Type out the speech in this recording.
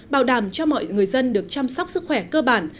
bảo đảm cho mọi người dân được chăm sóc sức khỏe cơ bản